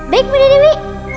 baik bunda dewi